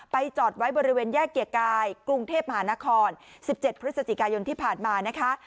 จอดไว้บริเวณแยกเกียรติกายกรุงเทพมหานคร๑๗พฤศจิกายนที่ผ่านมานะคะ